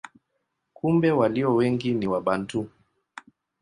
Kumbe walio wengi ni Wabantu.